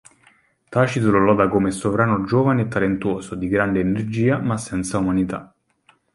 Tacito lo loda come sovrano giovane e talentuoso, di grande energia, ma senza umanità.